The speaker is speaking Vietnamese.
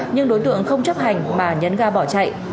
nhưng đối tượng không chấp hành mà nhấn ga bỏ chạy